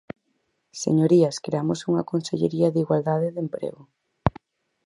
Señorías, creamos unha consellería de igualdade e de emprego.